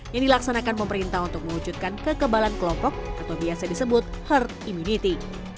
yang dilaksanakan pemerintah untuk mewujudkan kekebalan kelompok atau biasa disebut herd immunity